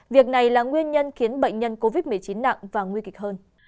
việc này là nguyên nhân khiến bệnh nhân covid một mươi chín nặng và nguy kịch hơn